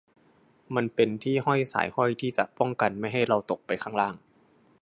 มันเป็นที่ห้อยสายห้อยที่จะป้องกันไม่ให้เราตกไปข้างล่าง